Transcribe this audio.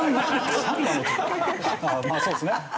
まあそうですね。